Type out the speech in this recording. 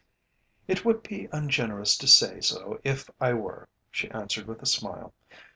"It would be ungenerous to say so if I were," she answered with a smile.